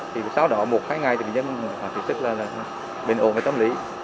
thì sao đó một hai ngày thì người nhân họ kiểm trúc là bệnh ổn với tâm lý